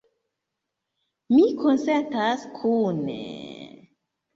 Mi konsentas kun...